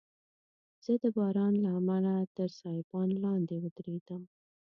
زه د باران له امله تر سایبان لاندي ودریدم.